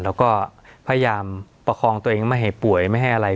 แล้วก็พยายามประคองตัวเองไม่ให้ป่วยไม่ให้อะไร